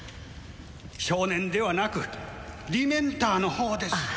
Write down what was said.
少年ではなくディメンターのほうですあっ